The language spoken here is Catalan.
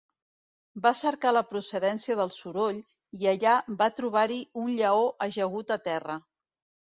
Va cercar la procedència del soroll i allà va trobar-hi un lleó ajagut a terra.